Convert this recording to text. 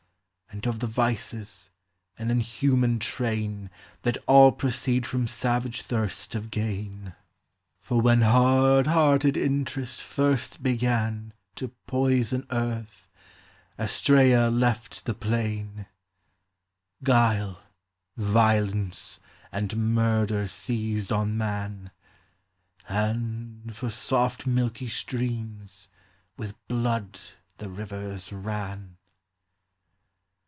And of the vices, an inhuman train, That all proceed from savage thirst of gain : For when hard hearted interest first began To poison earth, Astrsea left the plain ; Guile, violence, and murder seized on man, And, for soft milky streams, with blood the rivers ran.